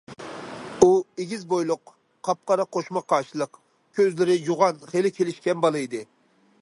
ئۇ ئېگىز بويلۇق، قاپقارا قوشۇما قاشلىق، كۆزلىرى يوغان خېلى كېلىشكەن بالا ئىدى.